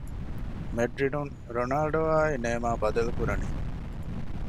މެޑްރިޑުން ރޮނާލްޑޯ އާއި ނޭމާ ބަދަލުކުރަނީ؟